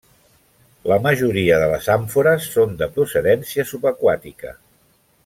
La majoria de les àmfores són de procedència subaquàtica.